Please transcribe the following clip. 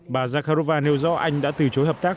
bà zakharova nêu rõ anh đã từ chối hợp tác